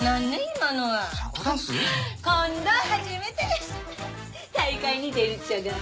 今度初めて大会に出るっちゃが。